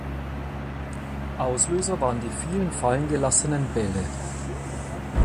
Auslöser waren die vielen fallen gelassenen Bälle.